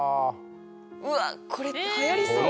うわっこれ流行りそう！